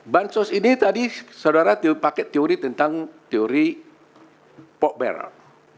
bantuan sosial ini tadi saudara pakai teori tentang teori pock bearer